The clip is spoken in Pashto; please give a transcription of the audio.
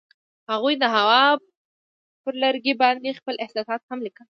هغوی د هوا پر لرګي باندې خپل احساسات هم لیکل.